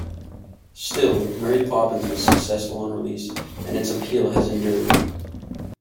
Still, "Mary Poppins" was successful on release and its appeal has endured.